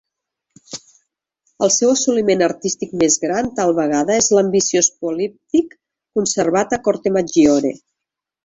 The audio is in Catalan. El seu assoliment artístic més gran tal vegada és l'ambiciós políptic conservat a Cortemaggiore.